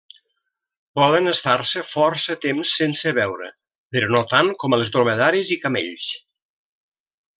Poden estar-se força temps sense beure, però no tant com els dromedaris i camells.